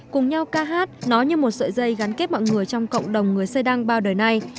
cùng nhau ca hát nói như một sợi dây gắn kết mọi người trong cộng đồng người sê đăng bao đời này